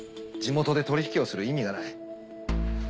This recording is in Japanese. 地元で取り引きをする意味がない。